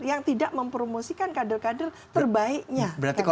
yang tidak mempromosikan kader kader terbaiknya